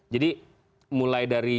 jadi mulai dari